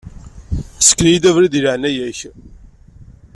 Ssken-iyi-d abrid, deg leεnaya-k.